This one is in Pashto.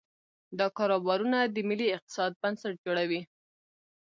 دا کاروبارونه د ملي اقتصاد بنسټ جوړوي.